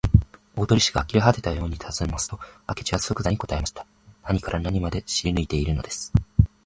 大鳥氏があきれはてたようにたずねますと、明智はそくざに答えました。何から何まで知りぬいているのです。